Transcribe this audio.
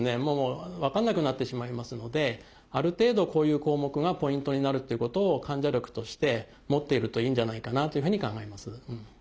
もう分かんなくなってしまいますのである程度こういう項目がポイントになるっていうことを患者力として持っているといいんじゃないかなというふうに考えます。